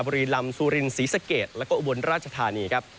บรีลำสุรินศรีสะเกตและอุบลราชธานี